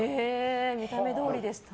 見た目どおりでしたね。